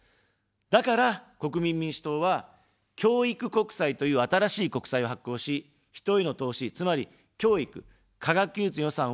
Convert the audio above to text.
だから、国民民主党は、教育国債という新しい国債を発行し、人への投資、つまり、教育、科学技術の予算を倍増させます。